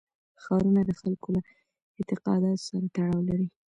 ښارونه د خلکو له اعتقاداتو سره تړاو لري.